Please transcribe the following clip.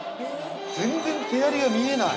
◆全然手やりが見えない。